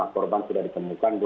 lima korban sudah ditemukan